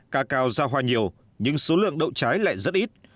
ca cao ra hoa nhiều nhưng số lượng đậu trái lại rất ít